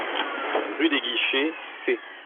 Rue Des Guichets, Sées